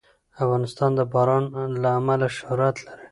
افغانستان د باران له امله شهرت لري.